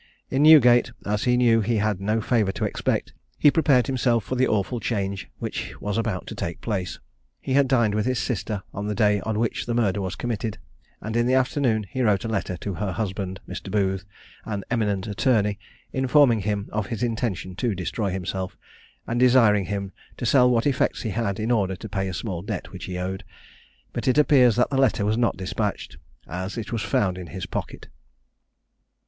In Newgate, as he knew he had no favour to expect, he prepared himself for the awful change which was about to take place. He had dined with his sister on the day on which the murder was committed, and in the afternoon he wrote a letter to her husband, Mr. Booth, an eminent attorney, informing him of his intention to destroy himself, and desiring him to sell what effects he had, in order to pay a small debt which he owed; but it appears that the letter was not despatched, as it was found in his pocket.